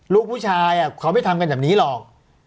ลูกผู้ชายเขาไม่ทำกันแบบนี้หรอก